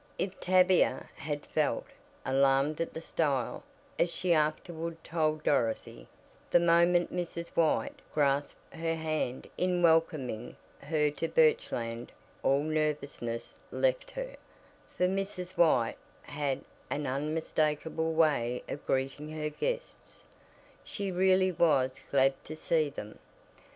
If Tavia had felt "alarmed at the style" as she afterward told Dorothy, the moment Mrs. White grasped her hand in welcoming her to Birchland all nervousness left her, for Mrs. White had an unmistakable way of greeting her guests she really was glad to see them.